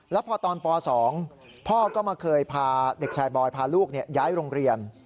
แล้วพอตอนป๒พ่อก็มาเคยพาเด็กชายบอยพาลูกย้ายโรงเรียน